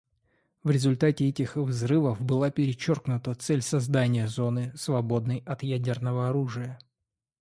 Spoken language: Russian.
В результате этих взрывов была перечеркнута цель создания зоны, свободной от ядерного оружия.